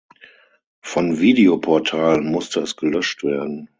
Von Videoportalen musste es gelöscht werden.